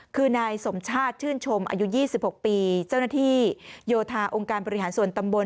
คือนายสมชาติชื่นชมอายุ๒๖ปีเจ้าหน้าที่โยธาองค์การบริหารส่วนตำบล